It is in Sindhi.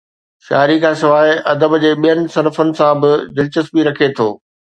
شاعري کان سواءِ ادب جي ٻين صنفن سان به دلچسپي رکي ٿو